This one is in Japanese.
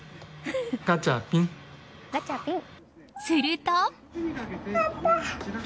すると。